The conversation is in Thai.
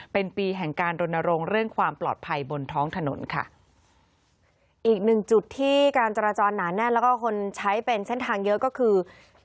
เป็นปีแห่งการรณรงค์เรื่องความปลอดภัยบนท้องถนนค่ะอีกหนึ่งจุดที่การจราจรหนาแน่นแล้วก็คนใช้เป็นเส้นทางเยอะก็คือ